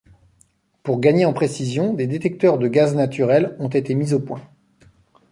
Pour gagner en précision, des détecteurs de gaz naturel ont été mis au point.